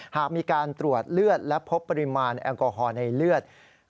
หากมีการตรวจเลือดและพบปริมาณแอลกอฮอล์ในเลือด